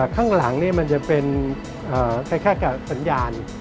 ข้างหลังมันจะเป็นคล้ายกับสัญญาณ